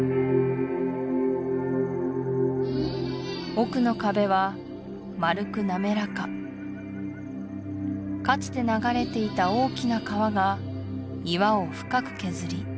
奥の壁は丸く滑らかかつて流れていた大きな川が岩を深く削り